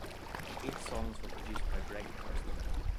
Eight songs were produced by Greg Kurstin.